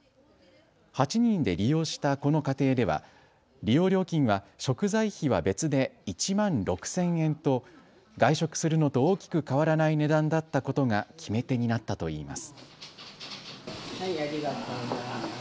８人で利用したこの家庭では利用料金は食材費は別で１万６０００円と外食するのと大きく変わらない値段だったことが決め手になったといいます。